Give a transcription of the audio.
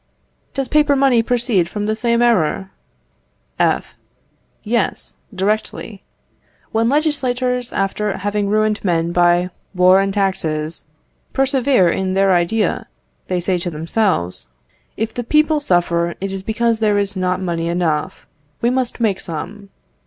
does paper money proceed from the same error? F. Yes, directly. When legislators, after having ruined men by war and taxes, persevere in their idea, they say to themselves, "If the people suffer, it is because there is not money enough. We must make some."